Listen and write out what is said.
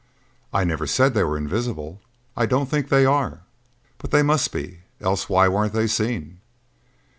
"I never said they were invisible. I don't think they are." "But they must be, else why weren't they seen?"